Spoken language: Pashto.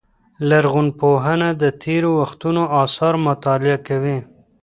لرغونپوهنه د تېرو وختونو آثار مطالعه کوي.